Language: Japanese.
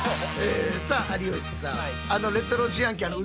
さあ有吉さん